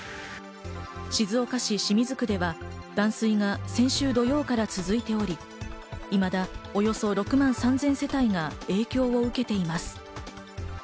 静岡市清水区では断水が先週土曜から続いており、いまだおよそ６万３０００世帯が影響を受けています。